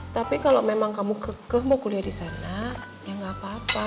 tapi kalau memang kamu kekeh mau kuliah di sana ya nggak apa apa